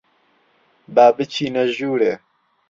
با بچینە ژوورێ.